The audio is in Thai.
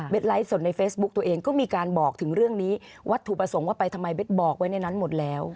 ไลฟ์สดในเฟซบุ๊กตัวเองก็มีการบอกถึงเรื่องนี้วัตถุประสงค์ว่าไปทำไมเบ็ดบอกไว้ในนั้นหมดแล้ว